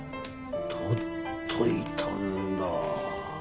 取っといたんだ。